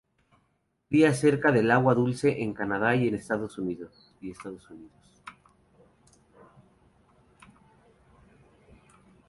Cría cerca del agua dulce en Canadá y Estados Unidos.